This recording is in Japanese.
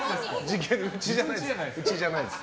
うちじゃないです。